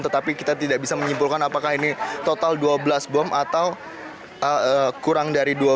tetapi kita tidak bisa menyimpulkan apakah ini total dua belas bom atau kurang dari dua puluh